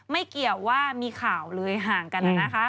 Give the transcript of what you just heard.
ไม่เกี่ยวว่ามีข่าวเลยห่างกันนะคะ